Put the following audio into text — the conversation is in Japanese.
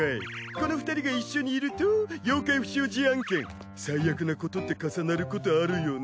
この２人が一緒にいると妖怪不祥事案件最悪なことって重なることあるよね。